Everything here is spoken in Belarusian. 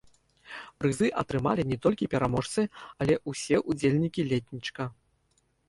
Прызы атрымалі не толькі пераможцы, а ўсе ўдзельнікі летнічка.